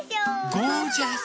ゴージャス。